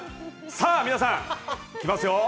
さぁ皆さん、行きますよ！